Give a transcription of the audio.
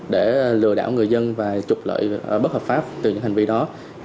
để lừa đảo người dân và trục lợi bất hợp pháp từ những hành vi đó